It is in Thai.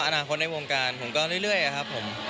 อนาคตในวงการผมก็เรื่อยครับผม